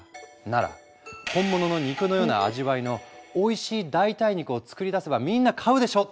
なら本物の肉のような味わいのおいしい代替肉を作り出せばみんな買うでしょ！